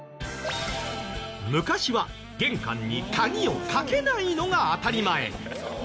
昔は玄関に鍵をかけないのが当たり前。